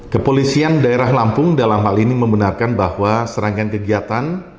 kepolisian daerah lampung dalam hal ini membenarkan bahwa serangkaian kegiatan